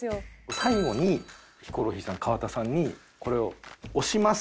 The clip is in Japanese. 最後にヒコロヒーさん河田さんにこれを「推します！」